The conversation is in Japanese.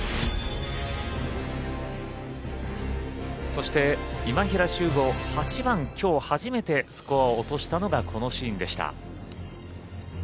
そして、今平周吾８番きょう初めてスコアを落としたのがこのシーンでした。